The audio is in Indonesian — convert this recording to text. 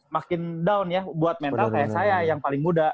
makin down ya buat mental kayak saya yang paling muda